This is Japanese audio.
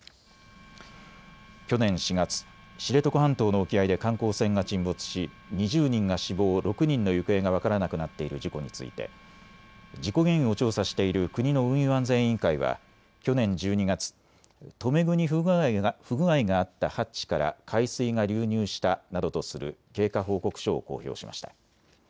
去年４月、知床半島の沖合で観光船が沈没し２０人が死亡、６人の行方が分からなくなっている事故について事故原因を調査している国の運輸安全委員会は去年１２月、留め具に不具合があったハッチから海水が流入したなどとする経過報告書を公表しました。